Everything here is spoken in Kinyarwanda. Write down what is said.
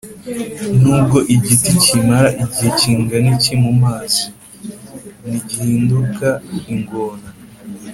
nubwo igiti kimara igihe kingana iki mumazi ntigihinduka ingona